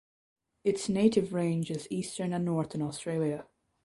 Its native range is Eastern and Northern Australia.